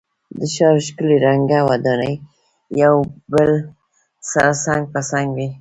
د ښار ښکلی رنګه ودانۍ یو بل سره څنګ په څنګ وې.